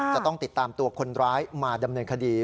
จะต้องติดตามตัวคนร้ายมาดำเนินคดี